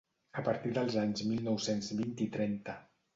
A partir dels anys mil nou-cents vint i trenta.